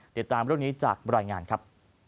ติดตามเรื่องนี้จากบรรยายงานครับ